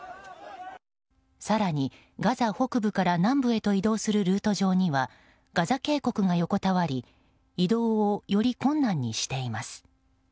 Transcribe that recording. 更に、ガザ北部から南部へと移動するルートにはガザ渓谷が横たわり移動をより困難にしています。